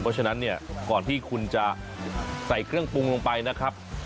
เพราะฉะนั้นเนี่ยก่อนที่คุณจะใส่เครื่องปรุงลงไปนะครับ